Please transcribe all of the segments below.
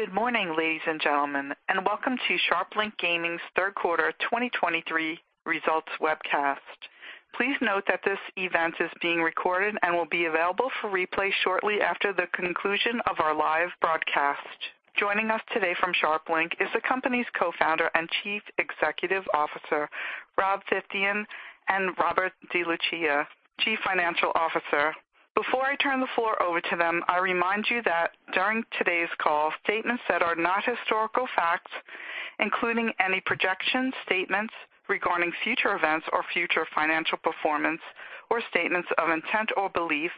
Good morning, ladies and gentlemen, and welcome to SharpLink Gaming's third quarter 2023 results webcast. Please note that this event is being recorded and will be available for replay shortly after the conclusion of our live broadcast. Joining us today from SharpLink Gaming is the company's co-founder and Chief Executive Officer, Rob Phythian, and Robert DeLucia, Chief Financial Officer. Before I turn the floor over to them, I remind you that during today's call, statements that are not historical facts, including any projection statements regarding future events or future financial performance or statements of intent or belief,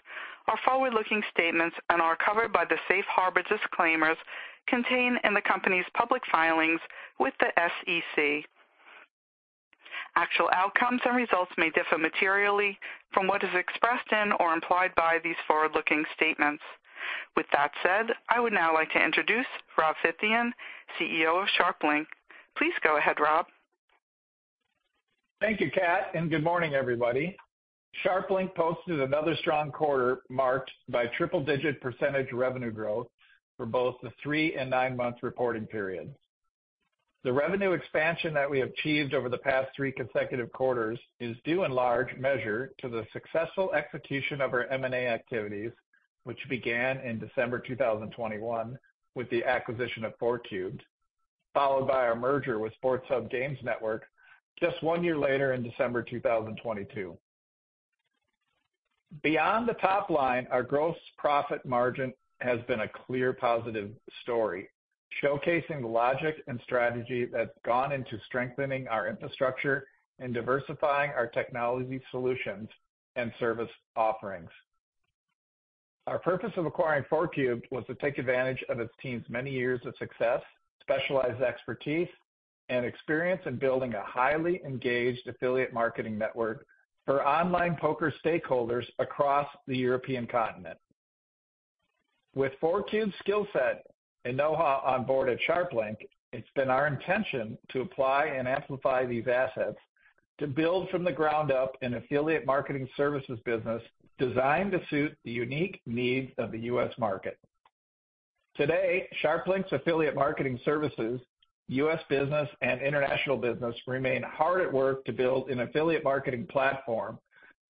are forward-looking statements and are covered by the safe harbor disclaimers contained in the company's public filings with the SEC. Actual outcomes and results may differ materially from what is expressed in or implied by these forward-looking statements. With that said, I would now like to introduce Rob Phythian, CEO of SharpLink. Please go ahead, Rob. Thank you, Kat, and good morning, everybody. SharpLink posted another strong quarter, marked by triple-digit percentage revenue growth for both the three and nine-month reporting periods. The revenue expansion that we achieved over the past three consecutive quarters is due in large measure to the successful execution of our M&A activities, which began in December 2021 with the acquisition of FourCubed, followed by our merger with SportsHub Games Network just one year later in December 2022. Beyond the top line, our gross profit margin has been a clear positive story, showcasing the logic and strategy that's gone into strengthening our infrastructure and diversifying our technology solutions and service offerings. Our purpose of acquiring FourCubed was to take advantage of its team's many years of success, specialized expertise, and experience in building a highly engaged affiliate marketing network for online poker stakeholders across the European continent. With FourCubed's skill set and know-how on board at SharpLink, it's been our intention to apply and amplify these assets to build from the ground up an affiliate marketing services business designed to suit the unique needs of the US market. Today, SharpLink's affiliate marketing services, US business, and international business remain hard at work to build an affiliate marketing platform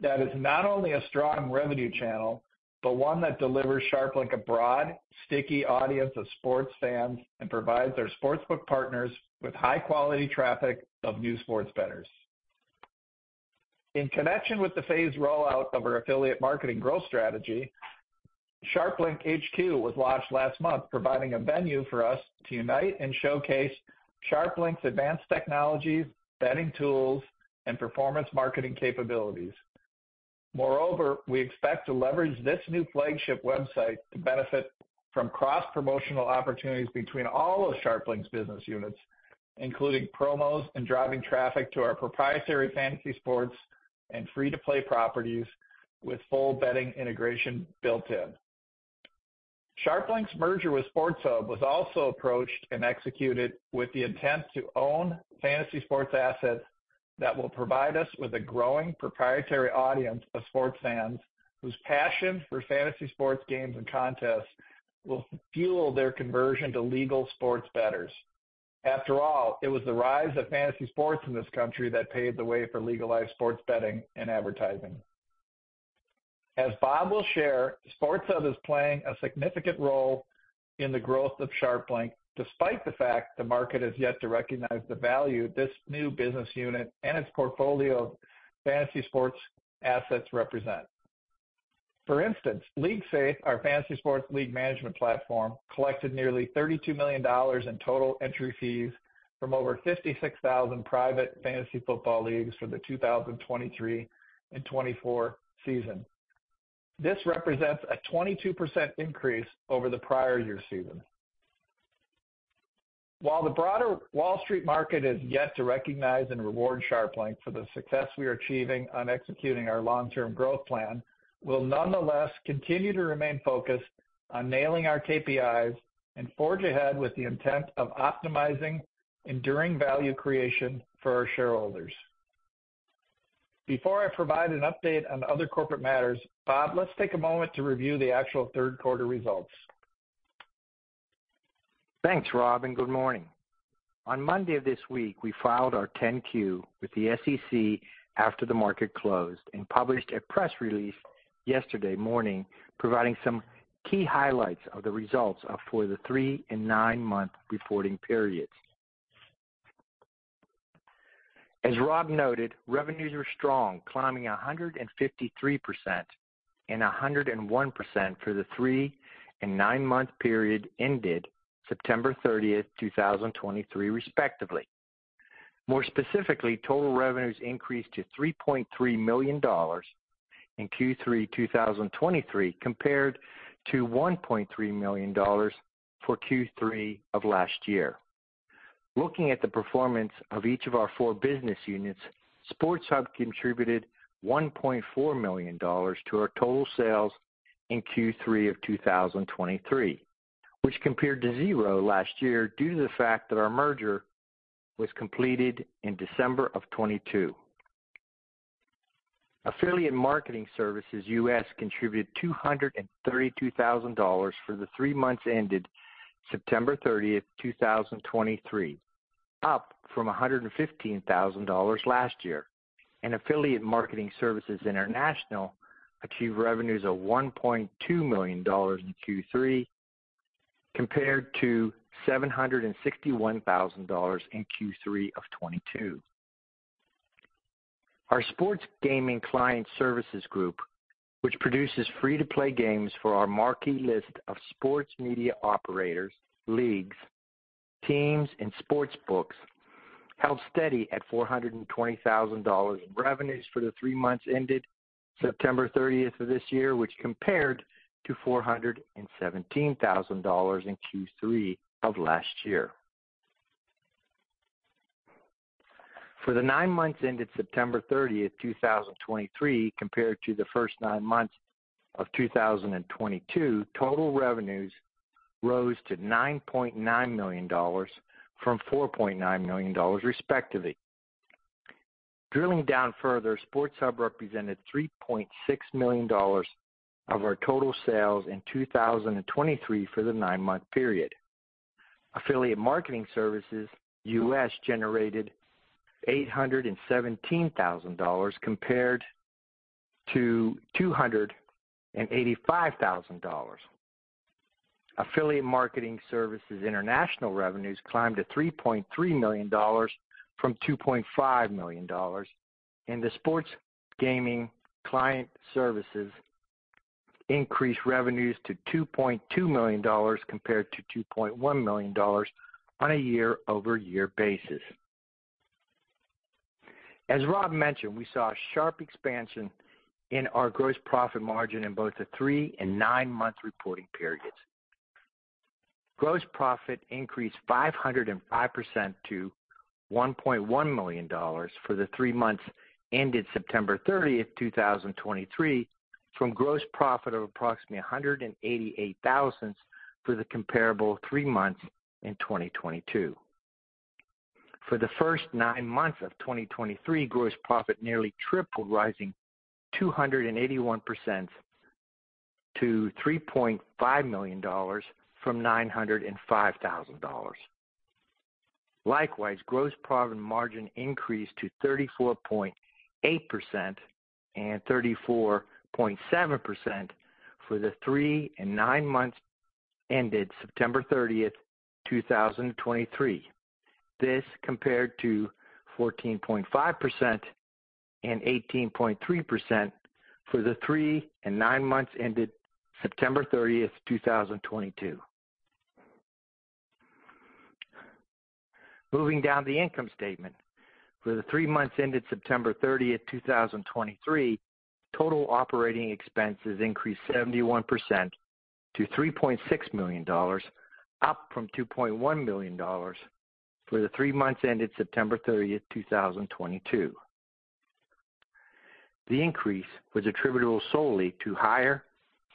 that is not only a strong revenue channel, but one that delivers SharpLink a broad, sticky audience of sports fans and provides their sportsbook partners with high-quality traffic of new sports bettors. In connection with the phased rollout of our affiliate marketing growth strategy, SharpLink HQ was launched last month, providing a venue for us to unite and showcase SharpLink's advanced technologies, betting tools, and performance marketing capabilities. Moreover, we expect to leverage this new flagship website to benefit from cross-promotional opportunities between all of SharpLink's business units, including promos and driving traffic to our proprietary fantasy sports and free-to-play properties with full betting integration built in. SharpLink's merger with SportsHub was also approached and executed with the intent to own fantasy sports assets that will provide us with a growing proprietary audience of sports fans, whose passion for fantasy sports games and contests will fuel their conversion to legal sports bettors. After all, it was the rise of fantasy sports in this country that paved the way for legalized sports betting and advertising. As Bob will share, SportsHub is playing a significant role in the growth of SharpLink, despite the fact the market has yet to recognize the value this new business unit and its portfolio of fantasy sports assets represent. For instance, LeagueSafe, our fantasy sports league management platform, collected nearly $32 million in total entry fees from over 56,000 private fantasy football leagues for the 2023 and 2024 season. This represents a 22% increase over the prior year's season. While the broader Wall Street market is yet to recognize and reward SharpLink for the success we are achieving on executing our long-term growth plan, we'll nonetheless continue to remain focused on nailing our KPIs and forge ahead with the intent of optimizing enduring value creation for our shareholders. Before I provide an update on other corporate matters, Bob, let's take a moment to review the actual third quarter results. Thanks, Rob, and good morning. On Monday of this week, we filed our 10-Q with the SEC after the market closed and published a press release yesterday morning, providing some key highlights of the results for the 3-month and 9-month reporting periods. As Rob noted, revenues are strong, climbing 153% and 101% for the 3-month and 9-month period ended September 30, 2023, respectively. More specifically, total revenues increased to $3.3 million in Q3 2023, compared to $1.3 million for Q3 of last year. Looking at the performance of each of our four business units, SportsHub contributed $1.4 million to our total sales in Q3 of 2023, which compared to 0 last year due to the fact that our merger was completed in December of 2022. Affiliate Marketing Services US contributed $232,000 for the three months ended September 30, 2023, up from $115,000 last year. And Affiliate Marketing Services International achieved revenues of $1.2 million in Q3, compared to $761,000 in Q3 of 2022. Our Sports Gaming Client Services Group, which produces free-to-play games for our marquee list of sports media operators, leagues, teams and sports books, held steady at $420,000 in revenues for the three months ended September 30th of this year, which compared to $417,000 in Q3 of last year. For the nine months ended September 30th, 2023, compared to the first nine months of 2022, total revenues rose to $9.9 million from $4.9 million, respectively. Drilling down further, SportsHub represented $3.6 million of our total sales in 2023 for the nine-month period. Affiliate Marketing Services US generated $817,000 compared to $285,000. Affiliate Marketing Services International revenues climbed to $3.3 million from $2.5 million, and the Sports Gaming Client Services increased revenues to $2.2 million compared to $2.1 million on a year-over-year basis. As Rob mentioned, we saw a sharp expansion in our gross profit margin in both the 3-month and 9-month reporting periods. Gross profit increased 505% to $1.1 million for the 3 months ended September 30, 2023, from gross profit of approximately $188,000 for the comparable 3 months in 2022. For the first 9 months of 2023, gross profit nearly tripled, rising 281% to $3.5 million from $905,000. Likewise, gross profit margin increased to 34.8% and 34.7% for the three and nine months ended September 30, 2023. This compared to 14.5% and 18.3% for the three and nine months ended September 30, 2022. Moving down the income statement. For the three months ended September 30, 2023, total operating expenses increased 71% to $3.6 million, up from $2.1 million for the three months ended September 30, 2022. The increase was attributable solely to higher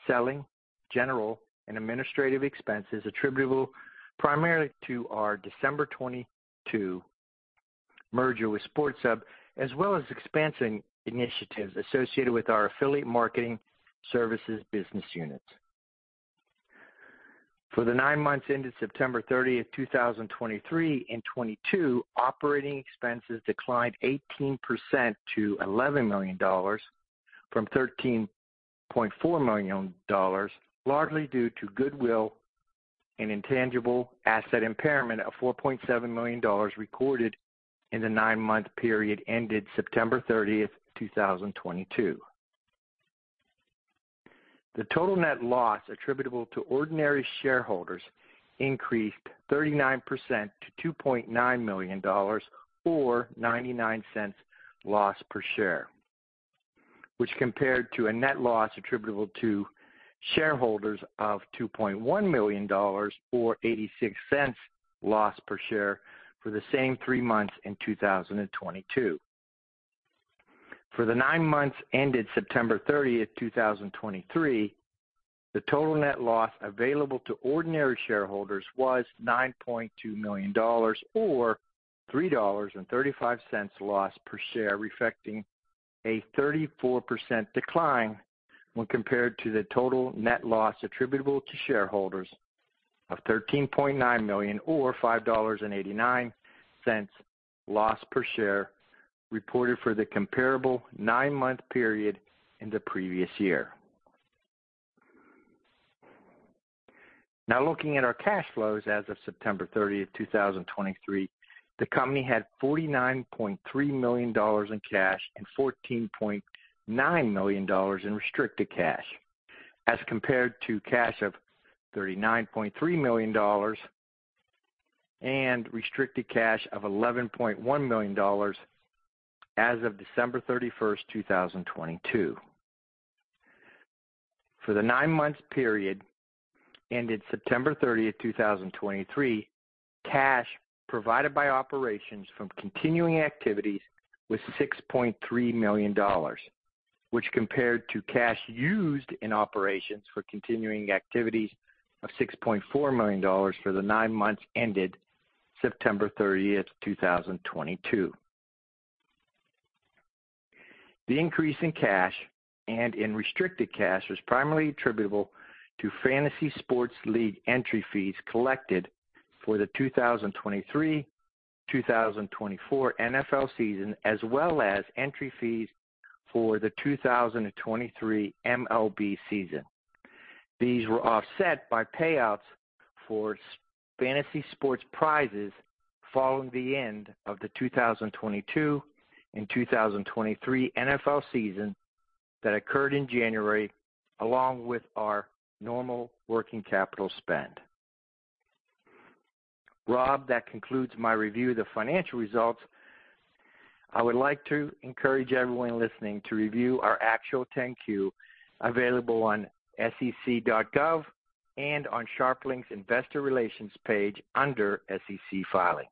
selling, general, and administrative expenses, attributable primarily to our December 2022 merger with SportsHub, as well as expansion initiatives associated with our affiliate marketing services business units. For the 9 months ended September 30, 2023 and 2022, operating expenses declined 18% to $11 million from $13.4 million, largely due to goodwill and intangible asset impairment of $4.7 million recorded in the 9-month period ended September 30, 2022. The total net loss attributable to ordinary shareholders increased 39% to $2.9 million, or $0.99 loss per share, which compared to a net loss attributable to shareholders of $2.1 million or $0.86 loss per share for the same 3 months in 2022. For the nine months ended September 30, 2023, the total net loss available to ordinary shareholders was $9.2 million, or $3.35 loss per share, reflecting a 34% decline when compared to the total net loss attributable to shareholders of $13.9 million, or $5.89 loss per share reported for the comparable nine-month period in the previous year. Now looking at our cash flows. As of September 30, 2023, the company had $49.3 million in cash and $14.9 million in restricted cash, as compared to cash of $39.3 million and restricted cash of $11.1 million as of December 31, 2022. For the nine-month period ended September 30, 2023, cash provided by operations from continuing activities was $6.3 million, which compared to cash used in operations for continuing activities of $6.4 million for the nine months ended September 30, 2022. The increase in cash and in restricted cash was primarily attributable to fantasy sports league entry fees collected for the 2023/2024 NFL season, as well as entry fees for the 2023 MLB season. These were offset by payouts for fantasy sports prizes following the end of the 2022 and 2023 NFL season that occurred in January, along with our normal working capital spend. Rob, that concludes my review of the financial results. I would like to encourage everyone listening to review our actual 10-Q, available on SEC.gov and on SharpLink's investor relations page under SEC Filings.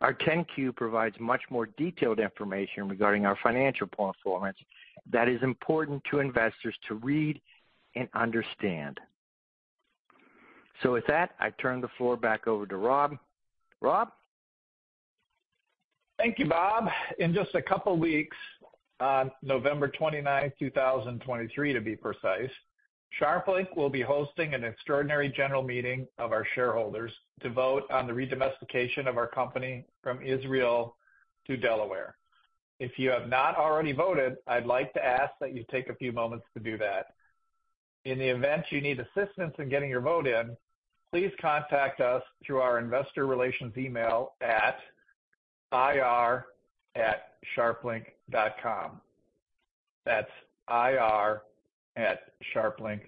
Our 10-Q provides much more detailed information regarding our financial performance that is important to investors to read and understand. So with that, I turn the floor back over to Rob. Rob? Thank you, Bob. In just a couple of weeks, on November 29th, 2023, to be precise, SharpLink will be hosting an extraordinary general meeting of our shareholders to vote on the redomestication of our company from Israel to Delaware. If you have not already voted, I'd like to ask that you take a few moments to do that. In the event you need assistance in getting your vote in, please contact us through our investor relations email at ir@sharplink.com. That's ir@sharplink.com. The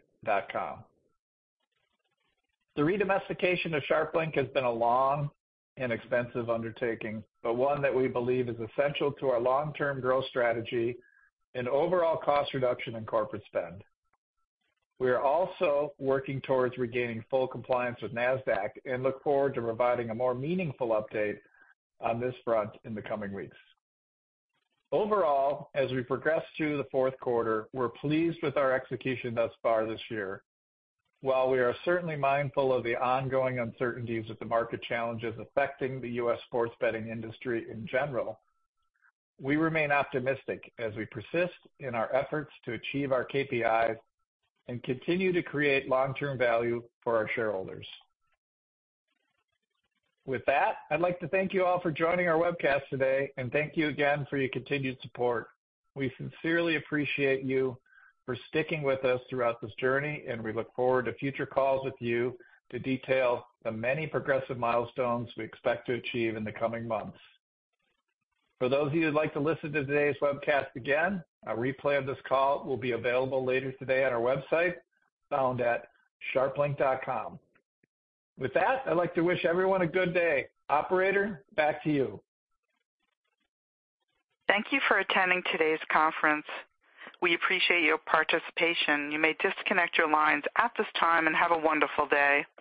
redomestication of SharpLink has been a long and expensive undertaking, but one that we believe is essential to our long-term growth strategy and overall cost reduction in corporate spend. We are also working towards regaining full compliance with Nasdaq and look forward to providing a more meaningful update on this front in the coming weeks. Overall, as we progress through the fourth quarter, we're pleased with our execution thus far this year. While we are certainly mindful of the ongoing uncertainties of the market challenges affecting the U.S. sports betting industry in general, we remain optimistic as we persist in our efforts to achieve our KPIs and continue to create long-term value for our shareholders. With that, I'd like to thank you all for joining our webcast today, and thank you again for your continued support. We sincerely appreciate you for sticking with us throughout this journey, and we look forward to future calls with you to detail the many progressive milestones we expect to achieve in the coming months. For those of you who'd like to listen to today's webcast again, a replay of this call will be available later today on our website, found at SharpLink.com. With that, I'd like to wish everyone a good day. Operator, back to you. Thank you for attending today's conference. We appreciate your participation. You may disconnect your lines at this time and have a wonderful day.